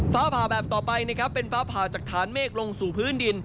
ฟ้าผ่าแบบต่อไปนะครับเป็นฟ้าผ่าจากฐานเมฆลงสู่พื้นดิน